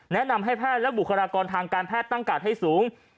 แนะนำให้แพทย์และบุคลากรทางการแพทย์ตั้งการ์ดให้สูง